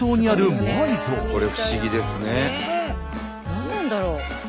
何なんだろう？